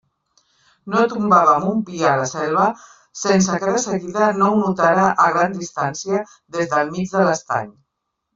No tombaven un pi a la selva sense que de seguida ho notara a gran distància, des del mig de l'estany.